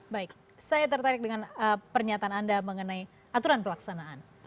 baik saya tertarik dengan pernyataan anda mengenai aturan pelaksanaan